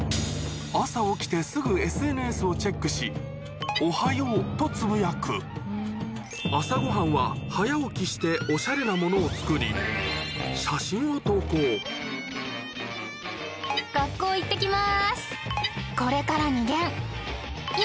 朝起きてすぐＳＮＳをチェックし「おはよう！」とつぶやく朝ごはんは早起きしておしゃれなものを作り写真を投稿になって行く。